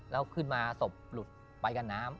แล้วขึ้นมาศพหลุดไปกับน้ำ